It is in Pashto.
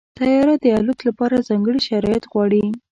طیاره د الوت لپاره ځانګړي شرایط غواړي.